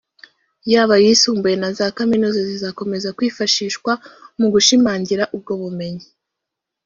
yaba ayisumbuye na za Kaminuza zizakomeza kwifashishwa mu gushimangira ubwo bumenyi